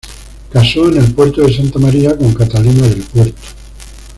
Casó en el Puerto de Santa María con Catalina del Puerto.